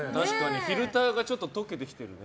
フィルターが溶けてきてるね。